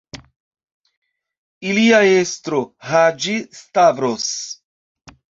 Ilia estro, Haĝi-Stavros.